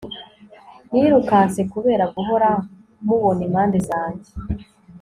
nirukanse kubera guhora mubona impande zajye